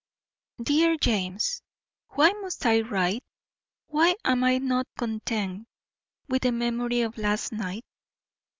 DEAR JAMES: Why must I write? Why am I not content with the memory of last night?